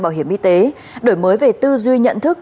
bảo hiểm y tế đổi mới về tư duy nhận thức